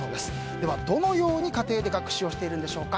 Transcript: ではどのように家庭で学習をしているんでしょうか。